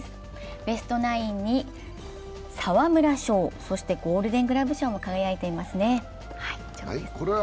ベストナインに沢村賞、そしてゴールデングラブ賞も輝いていますね。